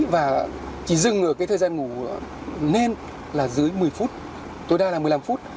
và chỉ dừng thời gian ngủ lên là dưới một mươi phút tối đa là một mươi năm phút